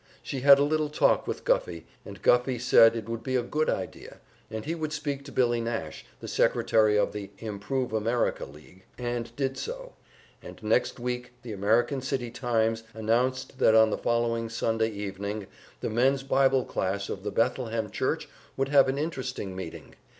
She had a little talk with Guffey, and Guffey said it would be a good idea, and he would speak to Billy Nash, the secretary of the "Improve America League"; and he did so, and next week the American City "Times" announced that on the following Sunday evening the Men's Bible Class of the Bethlehem Church would have an interesting meeting.